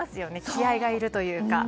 気合がいるというか。